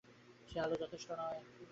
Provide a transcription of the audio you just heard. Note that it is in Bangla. সে আলো যথেষ্ট নয়।